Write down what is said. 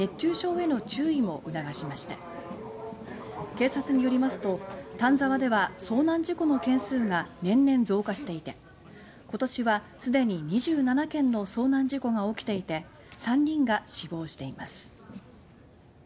警察によりますと丹沢では、遭難事故の件数が年々増加していて今年は、すでに２７件の遭難事故が起きていて３人が死亡しています。